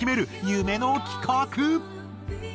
夢の企画！